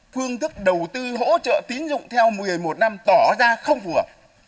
phương thức đầu tư hỗ trợ tín dụng theo một mươi một năm tỏ ra không phù hợp